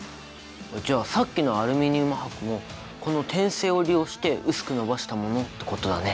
じゃあさっきのアルミニウム箔もこの展性を利用して薄く延ばしたものってことだね。